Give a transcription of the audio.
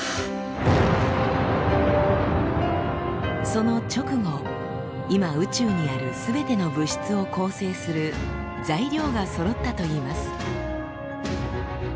その直後今宇宙にあるすべての物質を構成する「材料」がそろったといいます。